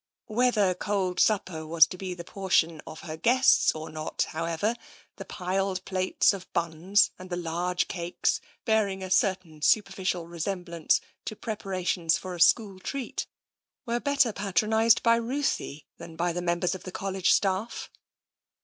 Whether cold supper was to be the portion of her guests or not, however, the piled plates of buns and the large cakes, bearing a certain superficial resemblance to preparations for a school treat, were better patro nised by Ruthie than by the members of the College staff.